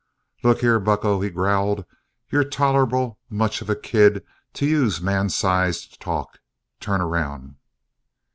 "Look here, bucco," he growled, "You're tolerable much of a kid to use man sized talk. Turn around."